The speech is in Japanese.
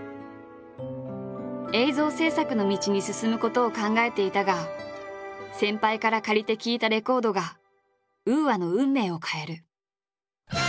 映像制作の道に進むことを考えていたが先輩から借りて聴いたレコードがＵＡの運命を変える。